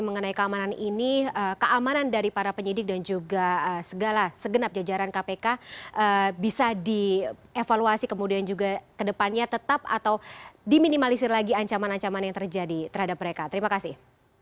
mengenai keamanan ini keamanan dari para penyidik dan juga segala segenap jajaran kpk bisa dievaluasi kemudian juga kedepannya tetap atau diminimalisir lagi ancaman ancaman yang terjadi terhadap mereka terima kasih